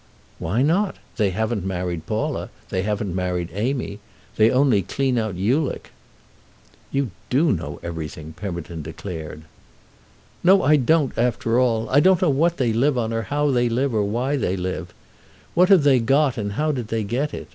"Why not? They haven't married Paula—they haven't married Amy. They only clean out Ulick." "You do know everything!" Pemberton declared. "No, I don't, after all. I don't know what they live on, or how they live, or why they live! What have they got and how did they get it?